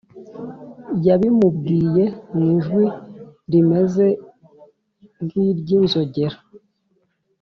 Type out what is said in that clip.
yabimubwiye mu ijwi rimeze nk’iry’inzogera